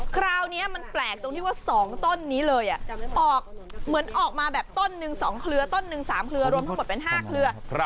คราวนี้มันแปลกตรงที่ว่า๒ต้นนี้เลยออกเหมือนออกมาแบบต้นหนึ่ง๒เครือต้นหนึ่ง๓เครือรวมทั้งหมดเป็น๕เครือ